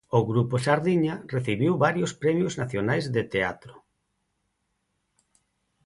O grupo Sardiña recibiu varios premios nacionais de teatro.